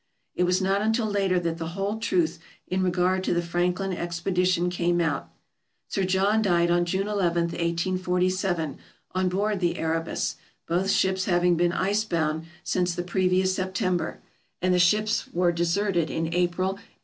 It was not until later that the whole truth in regard to the Franklin expedition came out. Sir John died on June 1 1, 1847, on board the " Erebus, " both ships having been ice bound since the previous September; and the ships were deserted in April, 1848.